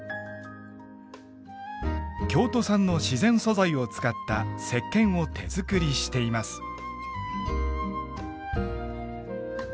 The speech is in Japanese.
京都産の自然素材を使ったせっけんを手作りしています。